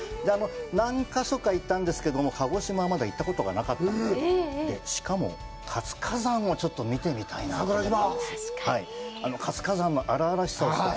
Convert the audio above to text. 何か所か行ったんですけど、鹿児島はまだ行ったことがなかったんで、しかも、活火山をちょっと見てみたいと思って。